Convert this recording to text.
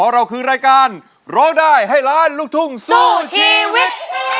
ร้องได้ให้ล้านลูกทุ่งสู้ชีวิต